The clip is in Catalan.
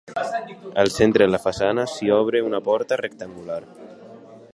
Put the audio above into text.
Al centre de la façana s'hi obre un portal rectangular.